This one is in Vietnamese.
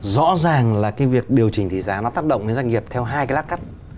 rõ ràng là cái việc điều chỉnh tỷ giá nó tác động đến doanh nghiệp theo hai cái lát cắt